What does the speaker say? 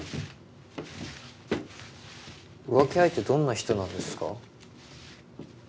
浮気相手どんな人なんですか？